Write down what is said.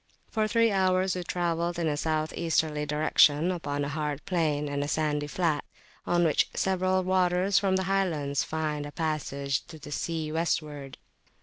For three hours we travelled in a south easterly direction upon a hard plain and a sandy flat, on which several waters from the highlands find a passage to the sea westward.